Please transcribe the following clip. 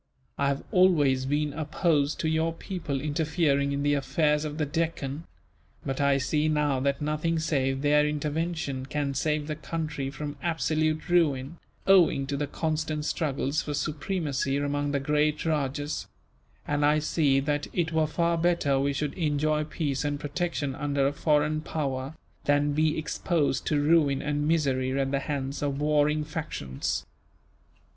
I have always been opposed to your people interfering in the affairs of the Deccan; but I see now that nothing save their intervention can save the country from absolute ruin, owing to the constant struggles for supremacy among the great rajahs; and I see that it were far better we should enjoy peace and protection, under a foreign power, than be exposed to ruin and misery at the hands of warring factions.